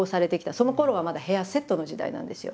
そのころはまだヘアセットの時代なんですよ。